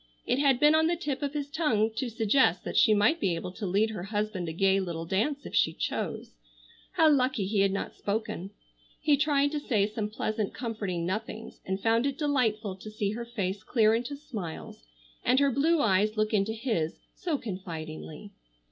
It had been on the tip of his tongue to suggest that she might be able to lead her husband a gay little dance if she chose. How lucky he had not spoken! He tried to say some pleasant comforting nothings, and found it delightful to see her face clear into smiles and her blue eyes look into his so confidingly.